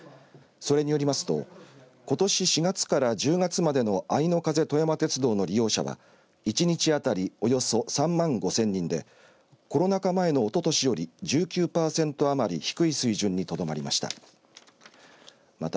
それによりますとことし４月から１０月までのあいの風とやま鉄道の利用者が１日当たりおよそ３万５０００人でコロナ禍前のおととしより１９パーセント余り低い水準にとどまりました。